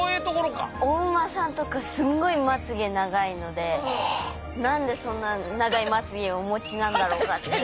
お馬さんとかすっごいまつ毛長いので何でそんな長いまつ毛をお持ちなんだろうかって。